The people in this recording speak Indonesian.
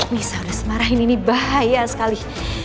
nisa udah semarah ini ini bahaya sekali